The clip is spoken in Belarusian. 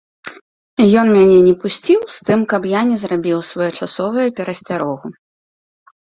Ён мяне не пусціў з тым, каб я не зрабіў своечасовую перасцярогу.